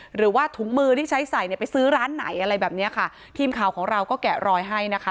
หรือว่าถุงมือที่ใช้ใส่เนี่ยไปซื้อร้านไหนอะไรแบบเนี้ยค่ะทีมข่าวของเราก็แกะรอยให้นะคะ